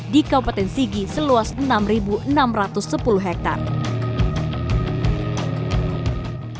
di kabupaten sigi seluas enam enam ratus sepuluh hektare